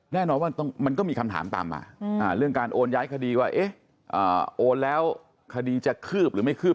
แน่นอนว่ามันก็มีคำถามตามมาเรื่องการโอนย้ายคดีว่าโอนแล้วคดีจะคืบหรือไม่คืบ